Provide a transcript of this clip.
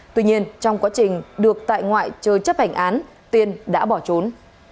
tuy nhiên trong quá trình được tại ngoại chờ chấp hành án tiên đã bỏ trốn